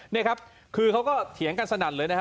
นี่ครับคือเขาก็เถียงกันสนั่นเลยนะฮะ